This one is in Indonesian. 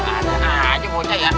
ada aja bocah ya